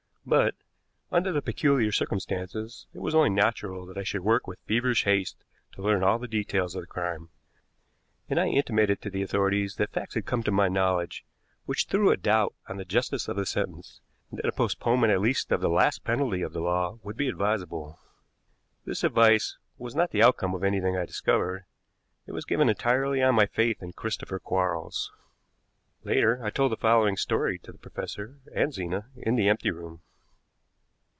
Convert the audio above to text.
But, under the peculiar circumstances, it was only natural that I should work with feverish haste to learn all the details of the crime, and I intimated to the authorities that facts had come to my knowledge which threw a doubt on the justice of the sentence, and that a postponement at least of the last penalty of the law would be advisable. This advice was not the outcome of anything I discovered; it was given entirely on my faith in Christopher Quarles. Later I told the following story to the professor and Zena in the empty room.